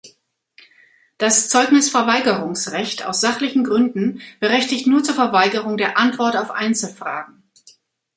Das Zeugnisverweigerungsrecht aus sachlichen Gründen berechtigt nur zur Verweigerung der Antwort auf Einzelfragen.